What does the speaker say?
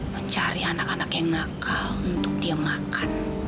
mencari anak anak yang nakal untuk dia makan